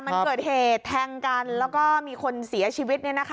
มันเกิดเหตุแทงกันแล้วก็มีคนเสียชีวิต